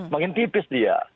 makin tipis dia